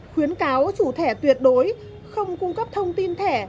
khuyến cáo chủ thẻ tuyệt đối không cung cấp thông tin thẻ